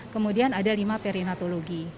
kemudian ada lima perinatologi